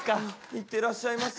行ってらっしゃいませ。